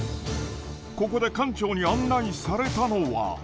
ここで艦長に案内されたのは。